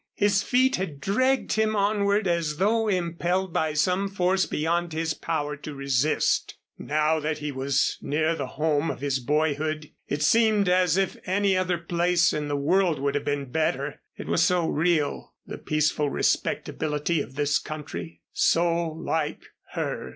His feet had dragged him onward as though impelled by some force beyond his power to resist. Now that he was near the home of his boyhood it seemed as if any other place in the world would have been better. It was so real the peaceful respectability of this country so like Her.